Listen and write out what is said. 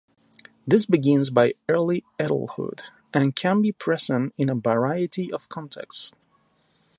This begins by early adulthood and can be present in a variety of contexts.